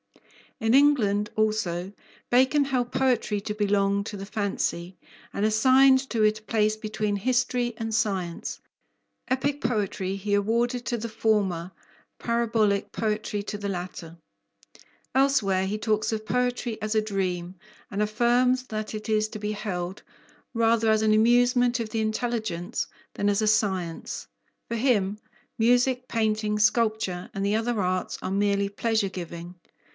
In England, also, Bacon held poetry to belong to the fancy, and assigned to it a place between history and science. Epic poetry he awarded to the former, "parabolic" poetry to the latter. Elsewhere he talks of poetry as a dream, and affirms that it is to be held "rather as an amusement of the intelligence than as a science." For him music, painting, sculpture, and the other arts are merely pleasure giving.